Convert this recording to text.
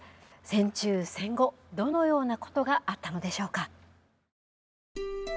戦中戦後どのようなことがあったのでしょうか。